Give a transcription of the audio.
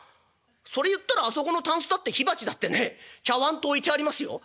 それ言ったらあそこのたんすだって火鉢だってねちゃわんと置いてありますよ。